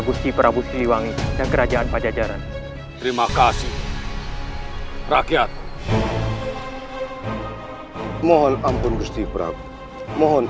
gusti prabu siliwangi dan kerajaan pajajaran terima kasih rakyat mohon ampun gusti prabu mohon